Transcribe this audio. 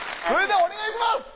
それではお願いします！